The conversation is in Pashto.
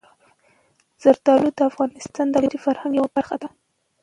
زردالو د افغانستان د بشري فرهنګ یوه برخه ده.